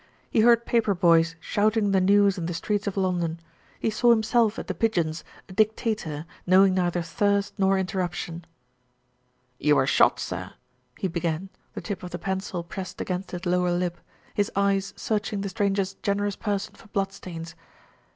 He heard paper boys shouting the news in the streets of London, he saw himself at The Pigeons, a dictator, knowing neither thirst nor interruption. P.C. POSTLE ASSUMES HIS UNIFORM 235 "You were shot, sir?" he began, the tip of the pencil pressed against his lower lip, his eyes searching the stranger's generous person for bloodstains.